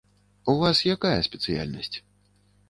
У вас якая спецыяльнасць?